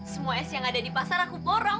semua es yang ada di pasar aku porong